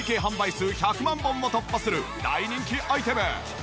数１００万本も突破する大人気アイテム。